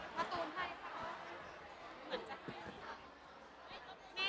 แม่ลูกอันนี้ง่ายนะ